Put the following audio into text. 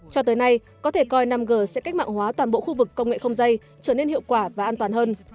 cho tới nay có thể coi năm g sẽ cách mạng hóa toàn bộ khu vực công nghệ không dây trở nên hiệu quả và an toàn hơn